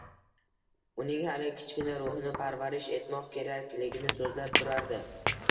uning hali kichkina ruhini parvarish etmoq kerakligini so‘zlab turardi.